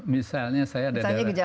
misalnya saya ada darah